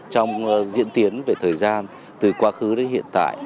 trong diễn tiến về thời gian từ quá khứ đến hiện tại